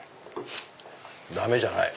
ダメじゃない。